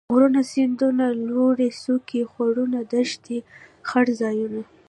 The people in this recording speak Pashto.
غرونه ،سيندونه ،لوړې څوکي ،خوړونه ،دښتې ،څړ ځايونه